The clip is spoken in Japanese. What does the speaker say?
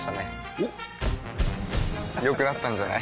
おっ良くなったんじゃない？